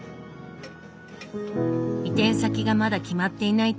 移転先がまだ決まっていないというこのお店。